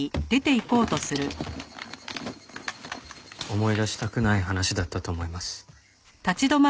思い出したくない話だったと思います。